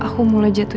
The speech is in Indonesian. dia apa itu